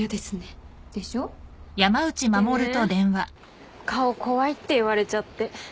でしょ？でね顔怖いって言われちゃって。